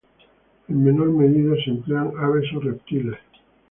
En menor medida se emplean aves o reptiles.